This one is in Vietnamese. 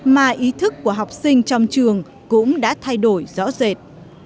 mà ý thức của học sinh trong trường cũng đã thay đổi rõ rệt